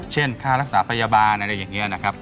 ค่ารักษาพยาบาลอะไรอย่างนี้นะครับ